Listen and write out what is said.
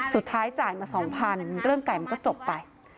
สุดท้ายจ่ายมา๒๐๐๐บาทเรื่องไก่มันก็จบไป